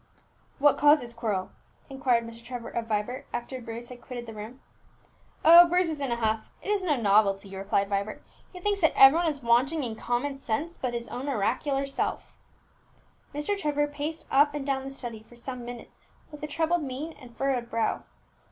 "What caused this quarrel?" inquired Mr. Trevor of Vibert, after Bruce had quitted the room. "Oh, Bruce is in a huff, it is no novelty," replied Vibert. "He thinks that every one is wanting in common sense but his own oracular self." Mr. Trevor paced up and down the study for some minutes with a troubled mien and furrowed brow.